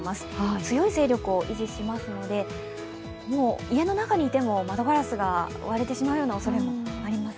強い勢力を維持しますので、家の中にいても窓ガラスが割れてしまうようなおそれもあります。